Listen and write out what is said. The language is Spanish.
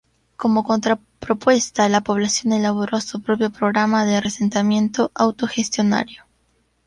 Como contrapropuesta la población elaboró su propio programa de reasentamiento autogestionario.